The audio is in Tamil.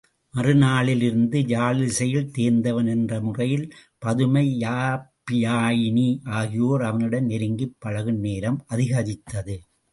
மறு நாளிலிருந்து யாழிசையில் தேர்ந்தவன் என்ற முறையில் பதுமை, யாப்பியாயினி ஆகியோர் அவனிடம் நெருங்கிப் பழகும்நேரம் அதிகரித்தது.